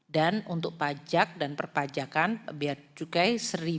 dan untuk pajak dan perpajakan bea cukai satu dua ratus tiga belas lima